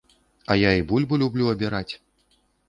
Я і бульбу люблю абіраць.